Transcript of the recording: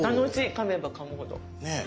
かめばかむほど。ねぇ。